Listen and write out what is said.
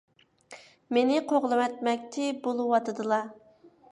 مېنى قوغلىۋەتمەكچى بولۇۋاتىدىلا.